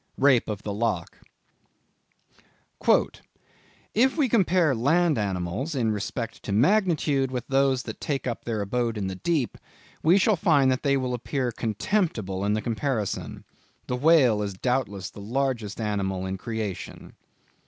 —Rape of the Lock. "If we compare land animals in respect to magnitude, with those that take up their abode in the deep, we shall find they will appear contemptible in the comparison. The whale is doubtless the largest animal in creation."